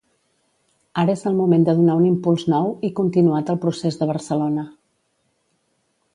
Ara és el moment de donar un impuls nou i continuat al Procés de Barcelona.